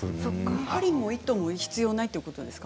針や糸も必要ないということですか？